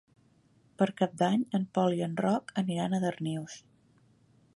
Per Cap d'Any en Pol i en Roc aniran a Darnius.